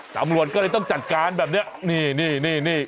ตำรวจก็เลยต้องจัดการแบบนี้นี่นี่